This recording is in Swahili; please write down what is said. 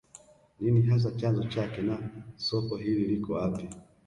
Nini hasa chanzo chake na soko hili liko wapi